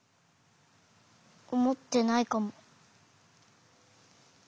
おもってないかも。